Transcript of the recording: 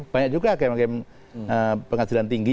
banyak juga hakim hakim pengadilan tinggi